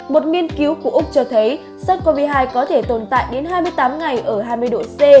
một nghiên cứu của úc cho thấy sars cov hai có thể tồn tại đến hai mươi tám ngày ở hai mươi độ c